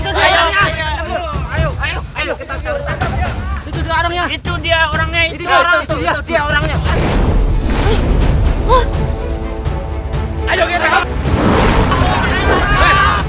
aku bukan ratu junti